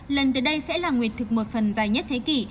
lần từ đây sẽ là nguyệt thực một phần dài nhất thế kỷ